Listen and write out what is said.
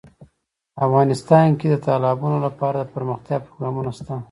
افغانستان کې د تالابونه لپاره دپرمختیا پروګرامونه شته.